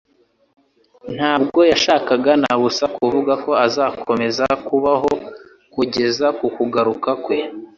Ntabwo yashakaga na busa kuvuga ko azakomeza kubaho kugeza ku kugaruka kwe.